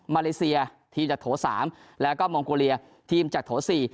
มาเลเซียทีมจากโถ๓แล้วก็มองโกเลียทีมจากโถ๔